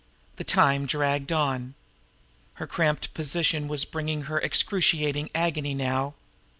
The time dragged on. Her cramped position was bringing her excruciating agony now.